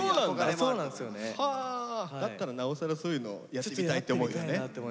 だったらなおさらそういうのやってみたいって思うよね。